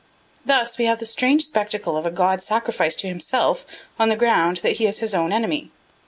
Thus we have the strange spectacle of a god sacrificed to himself on the ground that he is his own enemy.